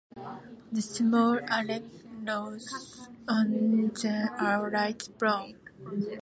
The small areoles on them are light brown.